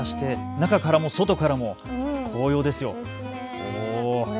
中からも外からも紅葉ですよ。